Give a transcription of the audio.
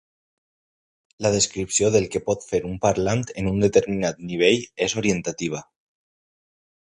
La descripció del que pot fer un parlant en un determinat nivell és orientativa.